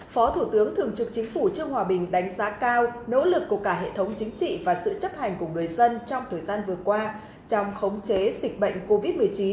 phó thủ tướng thường trực chính phủ trương hòa bình đánh giá cao nỗ lực của cả hệ thống chính trị và sự chấp hành của người dân trong thời gian vừa qua trong khống chế dịch bệnh covid một mươi chín